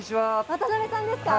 渡邊さんですか？